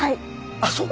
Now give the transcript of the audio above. あっそう。